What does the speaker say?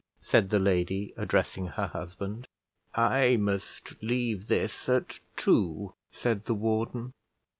said the lady, addressing her husband. "I must leave this at two," said the warden.